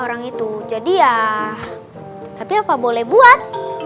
orang itu jadi ya tapi apa boleh buat